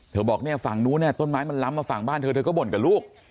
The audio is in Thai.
เธอบอกฝั่งนู้นต้นไม้มันล้ำมาฝั่งบ้านเธอเธอก็บ่นกับลูก